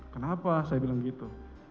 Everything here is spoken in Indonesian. kenapa saya bilang begitu